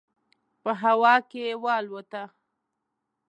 په هوا کې والوته.